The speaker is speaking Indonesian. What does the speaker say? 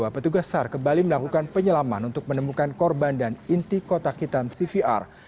petugas sar kembali melakukan penyelaman untuk menemukan korban dan inti kotak hitam cvr